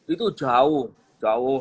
itu jauh jauh